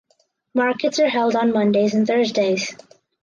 Markets are held on Mondays and Thursdays.